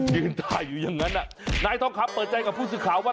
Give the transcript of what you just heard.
ยืนตายอยู่อย่างนั้นอ่ะนายท้องครับเปิดใจกับฟูศิข่าวว่า